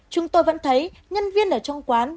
chúng tôi vẫn thấy nhân viên ở trong quán